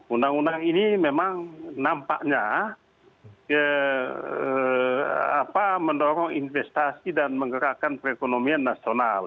undang undang ini memang nampaknya mendorong investasi dan menggerakkan perekonomian nasional